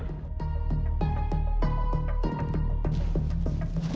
saya masih harus berbohong